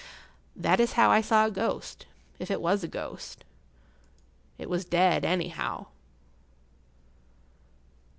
That is how I saw a ghost—if it was a ghost. It was dead, anyhow.